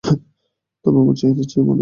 তোমরা আমার চাহিদার চেয়েও ভালো বন্ধু।